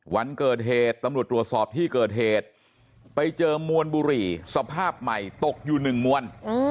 วันเกิดเหตุตำรวจตรวจสอบที่เกิดเหตุไปเจอมวลบุหรี่สภาพใหม่ตกอยู่หนึ่งมวล